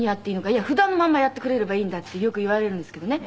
「いや普段のままやってくれればいいんだ」ってよく言われるんですけどね。